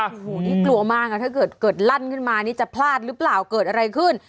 โอ้โหนี่กลัวมากถ้าเกิดลั่นขึ้นมานี่จะพลาดหรือเปล่าเกิดอะไรขึ้น